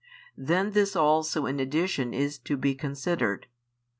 Then this also in addition is to be considered.